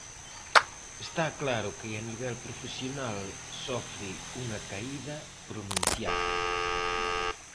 Está claro que a nivel profesional sofre unha caída pronunciada.